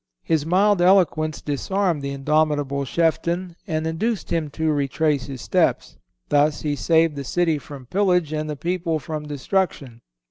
His mild eloquence disarmed the indomitable chieftain and induced him to retrace his steps. Thus he saved the city from pillage and the people from destruction.